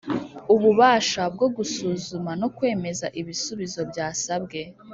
Ububasha bwo gusuzuma no kwemeza ibisubizo byasabwe